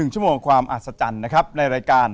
ชั่วโมงความอัศจรรย์นะครับในรายการ